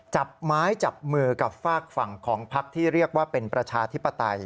จับไม้จับมือกับฝากฝั่งของพักที่เรียกว่าเป็นประชาธิปไตย